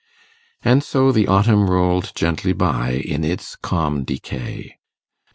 And so the autumn rolled gently by in its 'calm decay'.